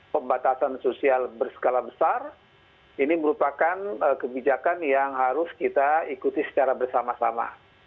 pembatasan sosial berskala besar ini merupakan kebijakan yang harus kita ikuti secara bersama sama